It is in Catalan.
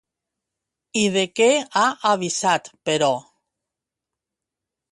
I de què ha avisat, però?